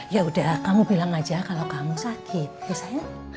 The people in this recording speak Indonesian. ya udah kamu bilang aja kalo kamu sakit ya sayang